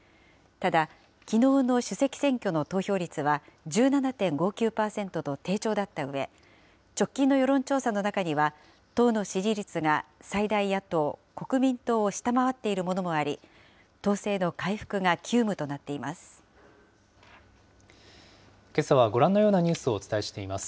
ただ、きのうの主席選挙の投票率は１７．５９％と低調だったうえ、直近の世論調査の中には、党の支持率が最大野党・国民党を下回っているものもあり、党勢の回復が急務となっています。